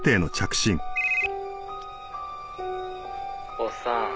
「おっさん